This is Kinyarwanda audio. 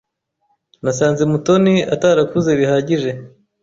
Nasanze Mutoni atarakuze bihagije.